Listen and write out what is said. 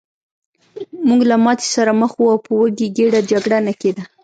موږ له ماتې سره مخ وو او په وږې ګېډه جګړه نه کېده